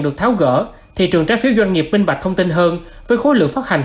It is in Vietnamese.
được tháo gỡ thị trường trái phiếu doanh nghiệp minh bạch thông tin hơn với khối lượng phát hành